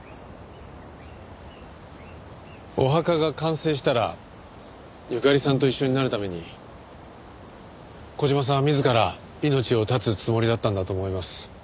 お墓が完成したらゆかりさんと一緒になるために小島さんは自ら命を絶つつもりだったんだと思います。